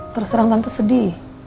terus orang orang tuh sedih